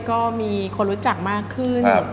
ก็มีคนรู้จักมากขึ้น